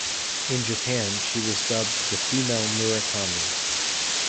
In Japan, she was dubbed the female Murakami.